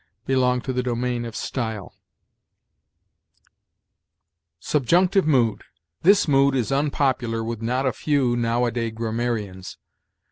belong to the domain of style. SUBJUNCTIVE MOOD. This mood is unpopular with not a few now a day grammarians.